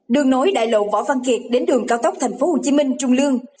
đường nối đại lộ võ văn kiệt đến đường cao tốc thành phố hồ chí minh trung lương